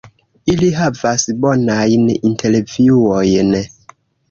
Ili havas bonajn intervjuojn.